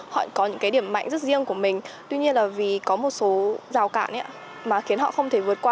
họ có những cái điểm mạnh rất riêng của mình tuy nhiên là vì có một số rào cản mà khiến họ không thể vượt qua